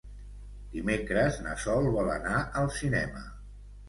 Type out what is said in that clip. Dimecres na Sol vol anar al cinema.